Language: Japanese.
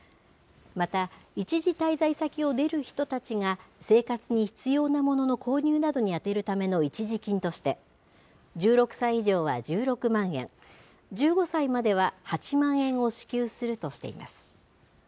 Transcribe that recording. また、一時滞在先を出る人たちが、生活に必要なものの購入などに充てるための一時金として、１６歳以上は１６万円、１５歳までは８万円を支給するとしています。